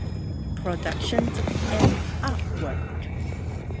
Production and artwork